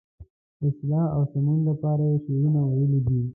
اصلاح او سمون لپاره یې شعرونه ویلي دي.